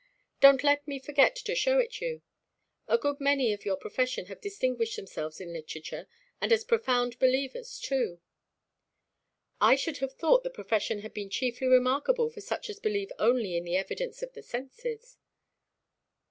Don't let me forget to show it you. A good many of your profession have distinguished themselves in literature, and as profound believers too." "I should have thought the profession had been chiefly remarkable for such as believe only in the evidence of the senses."